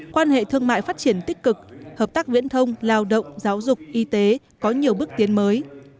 quan hệ thương mại phát triển tích cực hợp tác viễn thông lao động giáo dục y tế có nhiều bước tiến mới